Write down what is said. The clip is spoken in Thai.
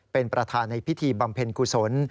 เป็นประธานในพิธีบำเพ็ญกุศล